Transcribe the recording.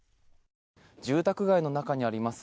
住宅街の中にあります